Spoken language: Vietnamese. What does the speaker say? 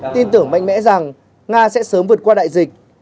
tin tưởng mạnh mẽ rằng nga sẽ sớm vượt qua đại dịch